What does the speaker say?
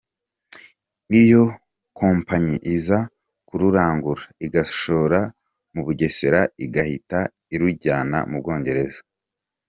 Iyo kompanyi iza kururangura i Gashora mu Bugesera igahita irujyana mu Bwongereza.